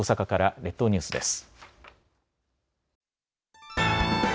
列島ニュースです。